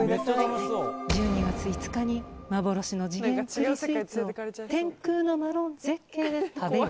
「１２月５日に幻の時限栗スイーツを天空のマロン絶景で食べよ！」。